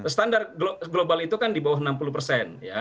standar global itu kan di bawah enam puluh persen